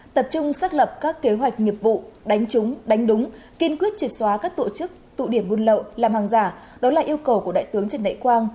tập trung xác lập các kế hoạch nghiệp vụ đánh trúng đánh đúng kiên quyết triệt xóa các tổ chức tụ điểm buôn lậu làm hàng giả đó là yêu cầu của đại tướng trần đại quang